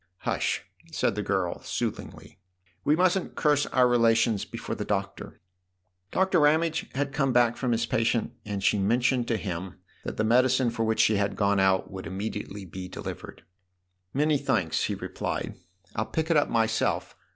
"Hush!" said the girl soothingly: "we mustn't curse our relations before the Doctor !" Doctor Ramage had come back from his patient, and she mentioned to him that the medicine for which she had gone out would immediately be delivered. "Many thanks," he replied: "I'll pick it up myself.